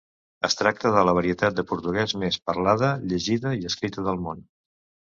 Es tracta de la varietat de portuguès més parlada, llegida i escrita del món.